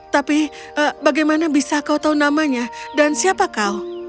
tapi bagaimana bisa kau tahu namanya dan siapa kau